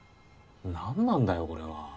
なんなんだよこれは。